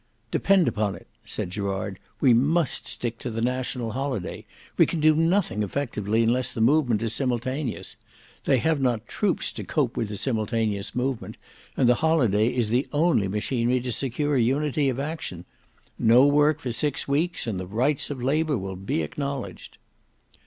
"Depend upon it," said Gerard, "we must stick to the National Holiday: we can do nothing effectively, unless the movement is simultaneous. They have not troops to cope with a simultaneous movement, and the Holiday is the only machinery to secure unity of action. No work for six weeks, and the rights of Labour will be acknowledged!"